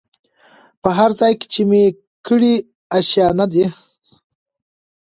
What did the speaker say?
په هرځای کي چي مي کړې آشیانه ده